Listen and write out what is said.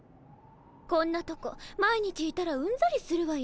こんなとこ毎日いたらうんざりするわよ。